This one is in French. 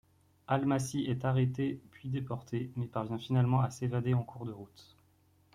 Almásy est arrêté puis déporté, mais parvient finalement à s'évader en cours de route.